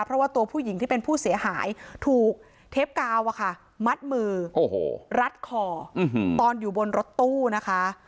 เพราะว่าตัวผู้หญิงที่เป็นผู้เสียหายถูกเทปกาวมัดมือรัดคอตอนอยู่บนรถตู้นะคะ